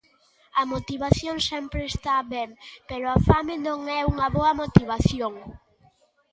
A motivación sempre está ben, pero a fame non é unha boa motivación.